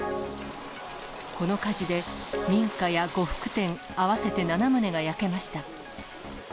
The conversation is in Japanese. この火事で民家や呉服店、合わせて７棟が焼けました。